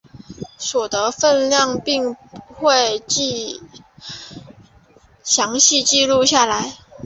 所得的份量并会详细记录下来。